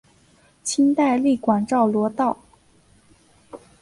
清代隶广肇罗道。